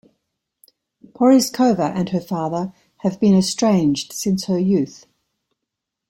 Porizkova and her father have been estranged since her youth.